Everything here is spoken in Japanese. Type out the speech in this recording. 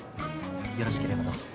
よろしければどうぞ。